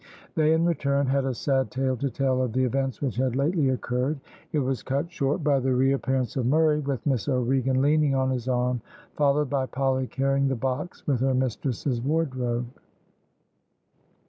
They in return had a sad tale to tell of the events which had lately occurred. It was cut short by the reappearance of Murray with Miss O'Regan leaning on his arm, followed by Polly carrying the box with her mistress's wardrobe.